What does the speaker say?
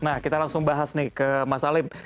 nah kita langsung bahas nih ke mas alim